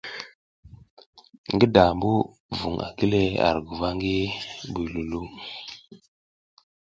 Ngi dambu vung a gile ar guva ngi buy Loulou.